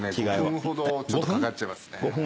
５分ほどちょっとかかっちゃいますね。